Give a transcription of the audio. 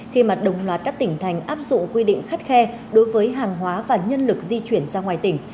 khi mà đồng loạt các tỉnh thành áp dụng quy định khắt khe đối với hàng hóa và nhân lực di chuyển ra ngoài tỉnh